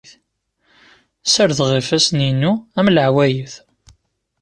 Ssardeɣ ifassen-inu am leɛwayed.